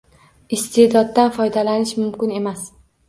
Iste’doddan foydalanish mumkin emas.